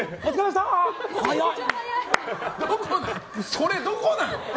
それ、どこなの？